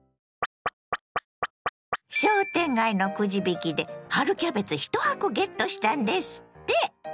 商店街のくじ引きで春キャベツ１箱ゲットしたんですって！